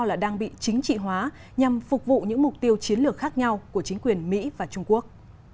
là đang bị chính trị hóa nhằm phục vụ những mục tiêu chiến lược khác nhau của chính quyền mỹ và trung quốc